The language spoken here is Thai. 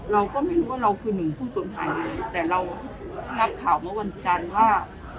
เราก็ไม่รู้ว่าเราคือหนึ่งผู้สูญหายเลยแต่เรารับข่าวเมื่อวันจันทร์ว่า